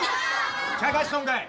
ちゃかしとんかい？